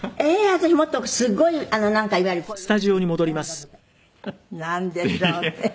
私もっとすごいなんかいわゆるこういう」なんでしょうね。